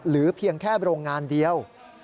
เพียงแค่โรงงานเดียว